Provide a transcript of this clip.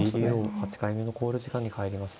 ８回目の考慮時間に入りました。